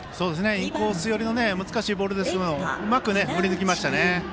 インコース寄りの難しいボールでしたがうまく振り抜きましたね。